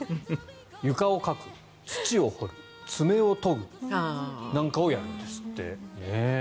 床をかく、土を掘る爪を研ぐなんかをやるんですって。